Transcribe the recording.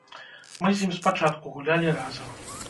Мы з ім спачатку гулялі разам.